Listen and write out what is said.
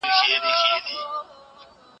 زه سندري اورېدلي دي.